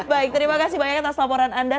baik terima kasih banyak atas laporan anda